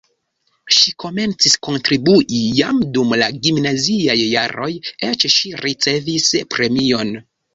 Ŝi komencis kontribui jam dum la gimnaziaj jaroj, eĉ ŝi ricevis premion.